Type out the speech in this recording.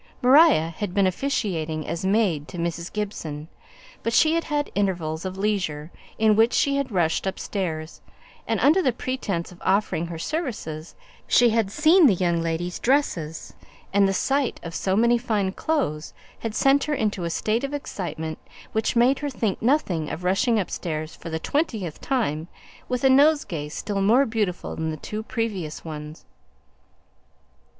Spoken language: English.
Maria had been officiating as maid to Mrs. Gibson, but she had had intervals of leisure, in which she had rushed upstairs, and, under the pretence of offering her services, had seen the young ladies' dresses, and the sight of so many nice clothes had sent her into a state of excitement which made her think nothing of rushing upstairs for the twentieth time, with a nosegay still more beautiful than the two previous ones.